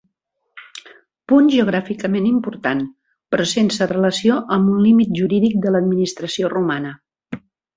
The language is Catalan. Punt geogràficament important, però sense relació amb un límit jurídic de l'administració romana.